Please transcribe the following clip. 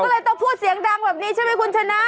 ก็เลยต้องพูดเสียงดังแบบนี้ใช่ไหมคุณชนะ